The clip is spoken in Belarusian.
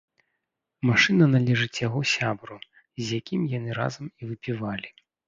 Машына належыць яго сябру, з якім яны разам і выпівалі.